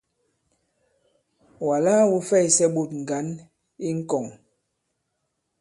Wàla wū fɛysɛ ɓôt ŋgǎn i ŋ̀kɔ̀ŋ.